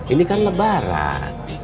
ini kan lebaran